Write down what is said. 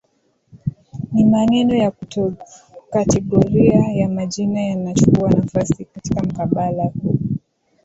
Ni maneno ya kategoria ya majina yanachukua nafasi katika mkabala huu